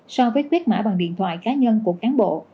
so với quyết mã bằng điện thoại cá nhân của cán bộ